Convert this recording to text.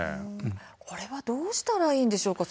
これはどうしたらいいんでしょうか。